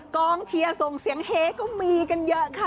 กองเชียร์ส่งเสียงเฮก็มีกันเยอะค่ะ